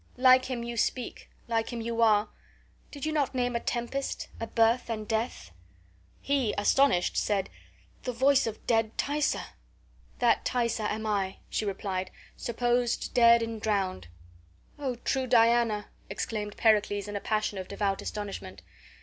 Like him you speak, like him you are. Did you not name a tempest, a birth, and death?" He, astonished, said, "The voice of dead Thaisa!" "That Thaisa am I," she replied, "supposed dead and drowned." "O true Diana!" exclaimed Pericles, in a passion of devout astonishment.